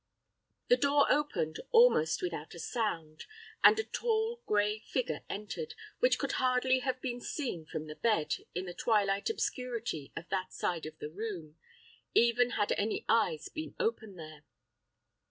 The door opened almost without a sound, and a tall, gray figure entered, which could hardly have been seen from the bed, in the twilight obscurity of that side of the room, even had any eyes been open there.